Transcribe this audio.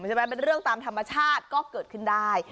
เป็นเรื่องตามธรรมชาติก็เกิดขึ้นได้